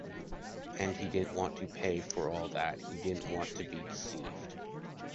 And he didn’t want to pay for all that; he didn’t want to be deceived.